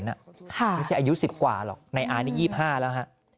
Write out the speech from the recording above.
ไม่ใช่อายุ๑๐กว่าหรอกในอานี่๒๕แล้วฮะ